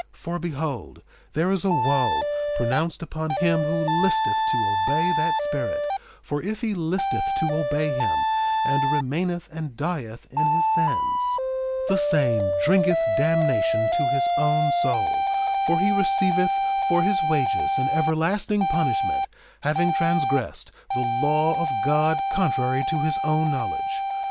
2:33 For behold, there is a wo pronounced upon him who listeth to obey that spirit; for if he listeth to obey him, and remaineth and dieth in his sins, the same drinketh damnation to his own soul; for he receiveth for his wages an everlasting punishment, having transgressed the law of God contrary to his own knowledge.